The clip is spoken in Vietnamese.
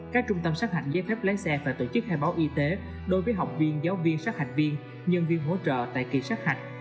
các trung tâm sát hạch giấy phép lái xe phải tổ chức khai báo y tế đối với học viên giáo viên sát hạch viên nhân viên hỗ trợ tại kỳ sát hạch